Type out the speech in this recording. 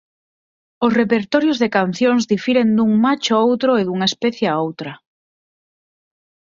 Os repertorios de cancións difiren dun macho a outro e dunha especie a outra.